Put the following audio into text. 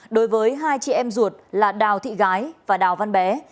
đối với hai chị em ruột là đào thị gái và đào văn bé